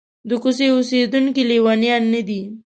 د کوڅې اوسېدونکي لېونیان نه دي.